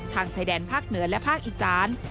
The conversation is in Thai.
ชายแดนภาคเหนือและภาคอีสาน